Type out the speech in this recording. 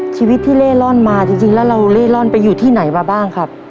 ชีวิตที่เล่ร่อนมาจริงแล้วเราเล่ร่อนไปอยู่ที่ไหนมาบ้างครับ